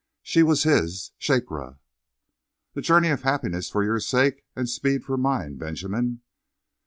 She was his Shakra! "A journey of happiness for your sake and a speed for mine, Benjamin."